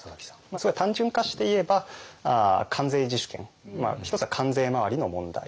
すごい単純化して言えば関税自主権一つは関税周りの問題ですよね。